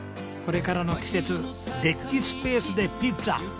これからの季節デッキスペースでピッツァ。